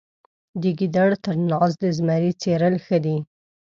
د ګیدړ تر ناز د زمري څیرل ښه دي.